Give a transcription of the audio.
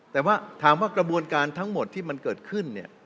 แต่ว่าถามว่ากระบวนการทั้งหมดที่มันเกิดขึ้นเนี่ย